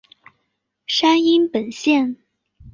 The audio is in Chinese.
山阴本线。